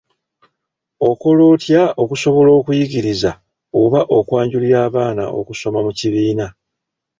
Okola otya okusobola okuyigiriza oba okwanjulira abaana okusoma mu kibiina?